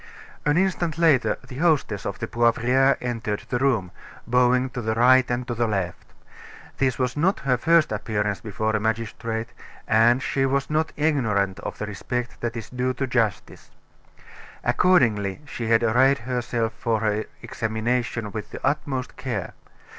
An instant later the hostess of the Poivriere entered the room, bowing to the right and to the left. This was not her first appearance before a magistrate, and she was not ignorant of the respect that is due to justice. Accordingly, she had arrayed herself for her examination with the utmost care.